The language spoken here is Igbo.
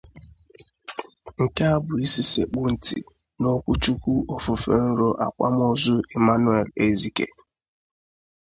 Nke a bụ isi sekpụ ntị n'okwuchukwu ofufè nrò akwamozu Emmanuel Ezike